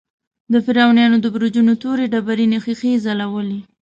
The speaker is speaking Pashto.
د فرعونیانو د برجونو تورې ډبرینې ښیښې ځلولې.